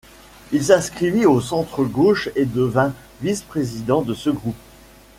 Il s'inscrivit au centre gauche et devint vice-président de ce groupe.